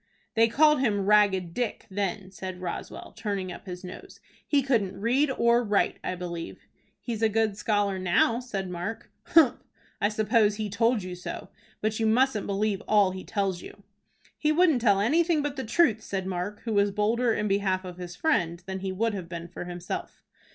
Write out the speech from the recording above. "They called him 'Ragged Dick' then," said Roswell, turning up his nose. "He couldn't read or write, I believe." "He's a good scholar now," said Mark. "Humph! I suppose he told you so. But you mustn't believe all he tells you." "He wouldn't tell anything but the truth," said Mark, who was bolder in behalf of his friend than he would have been for himself.